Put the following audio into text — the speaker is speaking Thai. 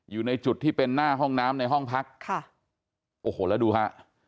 อยู่ในจุดที่เป็นหน้าห้องน้ำในห้องพักค่ะโอ้โหแล้วดูฮะ